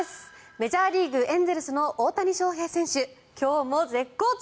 メジャーリーグ、エンゼルスの大谷翔平選手、今日も絶好調。